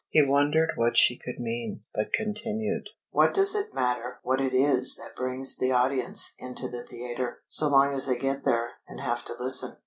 He wondered what she could mean, but continued: "What does it matter what it is that brings the audience into the theatre, so long as they get there and have to listen?"